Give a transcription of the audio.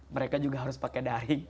mereka juga harus pakai daring